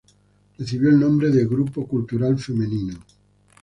Recibió el nombre de Grupo Cultural Femenino.